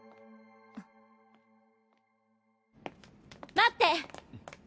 待って！